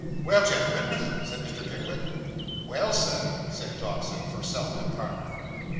'Well, gentlemen,' said Mr. Pickwick. 'Well, Sir,' said Dodson, for self and partner.